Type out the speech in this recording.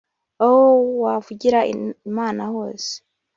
Aho wavugira Imana hose